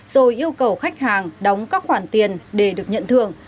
rồi yêu cầu khách hàng đóng các khoản tiền để được nhận thưởng